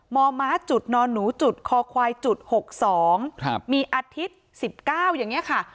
มอมะจุดนอนหนูจุดคอควายจุดหกสองครับมีอาทิตย์สิบเก้าอย่างเงี้ยค่ะ